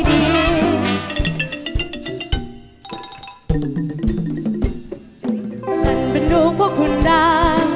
ฉันเป็นนูกพวกขุนดา